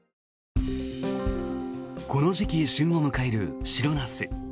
この時期、旬を迎える白ナス。